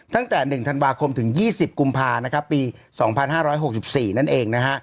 ตั้งแต่๑ธันวาคมถึง๒๐กุมภานะครับปี๒๕๖๔นั่นเองนะฮะ